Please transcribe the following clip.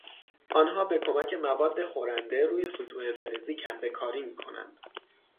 آنها به کمک مواد خورنده روی سطوح فلزی کندهکاری میکنند.